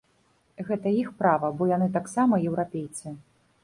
Гэта іх права, бо яны таксама еўрапейцы.